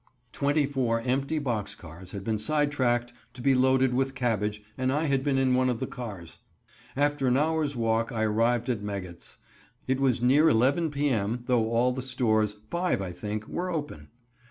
Twenty four empty box cars had been side tracked to be loaded with cabbage, and I had been in one of the cars. After an hour's walk I arrived at Meggetts. It was near 11 p. m., though all the stores, five, I think, were open.